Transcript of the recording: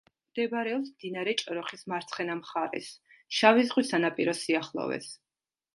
მდებარეობს მდინარე ჭოროხის მარცხენა მხარეს, შავი ზღვის სანაპიროს სიახლოვეს.